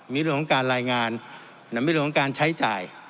มีเรื่องของการรายงานมีเรื่องของการใช้จ่าย